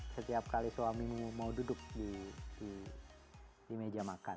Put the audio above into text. setiap kali suamimu mau duduk di meja makan